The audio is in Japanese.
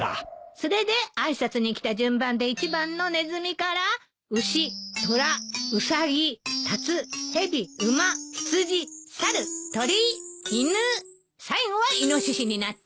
それで挨拶に来た順番で１番のネズミからウシトラウサギタツヘビウマヒツジサルトリイヌ最後はイノシシになったのよ。